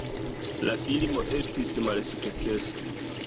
La filmo estis malsukceso.